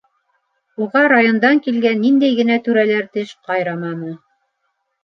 Уға райондан килгән ниндәй генә түрәләр теш ҡайраманы!